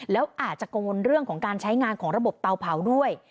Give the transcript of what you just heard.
แล้วอาจจะกังวลเรื่องของการใช้งานของระบบเตาเผาด้วย